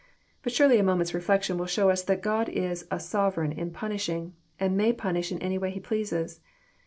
But surely a moment's reflection will show us that God is a Sovereign in punishing, and may punish in any way he pleases.